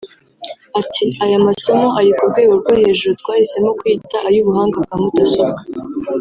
Ati “Aya masomo ari ku rwego rwo hejuru twahisemo kuyita ay’ubuhanga bwa mudasobwa